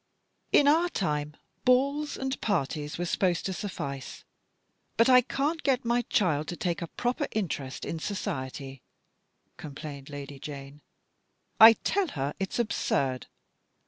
" In our time, balls and parties were sup posed to suffice. But I can't get my child to take a proper interest in society," complained Lady Jane. "I tell her it's absurd.